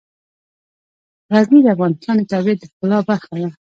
غزني د افغانستان د طبیعت د ښکلا برخه ده.